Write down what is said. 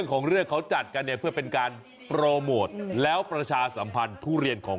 คนชนะได้ทุเรียน